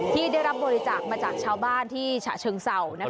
ที่ได้รับบริจาคมาจากชาวบ้านที่ฉะเชิงเศร้า